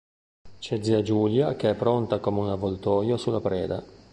C'è zia Giulia che è pronta come un avoltoio sulla preda.